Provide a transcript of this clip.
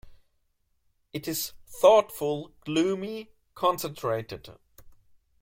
It is thoughtful, gloomy, concentrated.